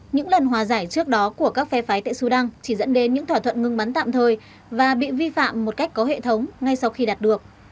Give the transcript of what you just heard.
những lần hòa giải trước đó của các phe phái tại sudan chỉ dẫn đến những thỏa thuận ngừng bắn tạm thời và bị vi phạm một cách có hệ thống ngay sau khi đạt được